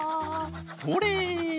それ！